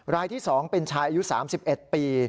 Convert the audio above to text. รายที่๒เป็นชายอายุ๓๑ปี